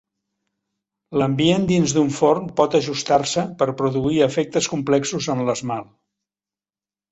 L'ambient dins d'un forn pot ajustar-se per produir efectes complexos en l'esmalt.